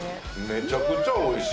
めちゃくちゃ美味しい。